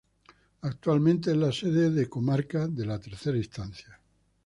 Actualmente es la sede de Comarca de tercera instancia.